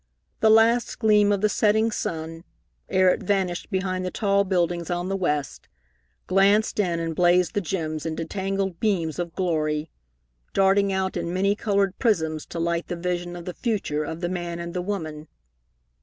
The last gleam of the setting sun, ere it vanished behind the tall buildings on the west, glanced in and blazed the gems into tangled beams of glory, darting out in many colored prisms to light the vision of the future of the man and the woman.